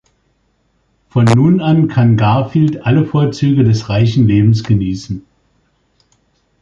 Von nun an kann Garfield alle Vorzüge des reichen Lebens genießen.